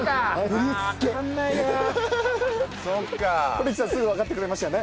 是木さんすぐわかってくれましたよね？